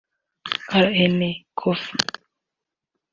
RaN Coffee